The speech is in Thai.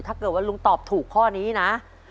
ถ้าเกิดว่าลุงตอบถูกข้อนี้นะ